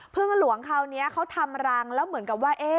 หลวงคราวนี้เขาทำรังแล้วเหมือนกับว่า